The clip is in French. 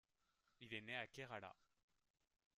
Il est né à Kerala.